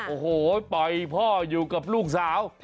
โอ้โหปล่อยพ่ออยู่กับลูกสาว